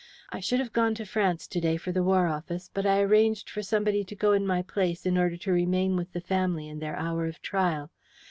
I should have gone to France to day for the War Office, but I arranged for somebody to go in my place in order to remain with the family in their hour of trial.